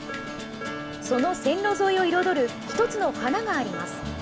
その線路沿いを彩る、一つの花があります。